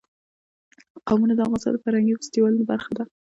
قومونه د افغانستان د فرهنګي فستیوالونو برخه ده.